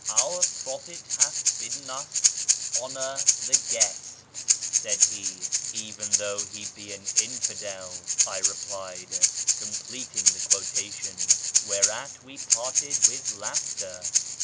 " Our Prophet hath bidden us ' honour the guest' " said he. "' Even though he 'be an infidel' " I replied, completing the quotation ; whereat we parted with laughter.